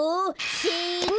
せの！